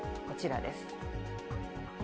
こちらです。